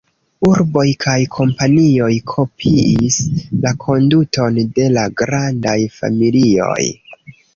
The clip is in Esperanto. Urboj kaj kompanioj kopiis la konduton de la grandaj familioj.